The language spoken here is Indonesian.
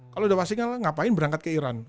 kalau udah pasti ngapain berangkat ke iran